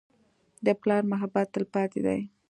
د پلار محبت تلپاتې دی.